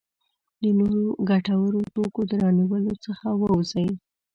د نورو ګټورو توکو د رانیولو څخه ووځي.